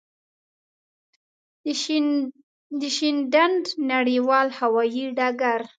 د شینډنډ نړېوال هوایی ډګر.